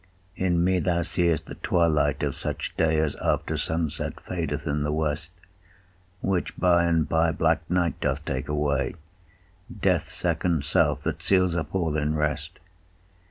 In me thou see'st the twilight of such day As after sunset fadeth in the west; Which by and by black night doth take away, Death's second self, that seals up all in rest.